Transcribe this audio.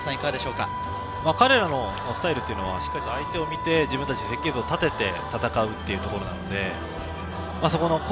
彼らのスタイルっていうのは相手を見て自分たちで設計図を立てて戦うというところなので、そこの攻